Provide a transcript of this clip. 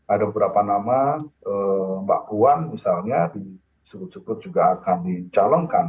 ada beberapa nama mbak puan misalnya disebut sebut juga akan dicalonkan